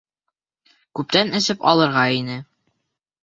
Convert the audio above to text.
Күптән эсеп алырға ине.